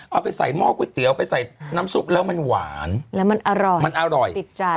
เอาไปใส่หม้อก๋วยเตี๋ยวไปใส่น้ำซุปแล้วมันหวานแล้วมันอร่อยมันอร่อยติดใจ